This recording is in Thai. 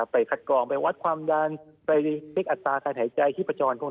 ไปคัดกรองไปวัดความดันไปเรียกอัตราการถ่ายใจที่ประจอง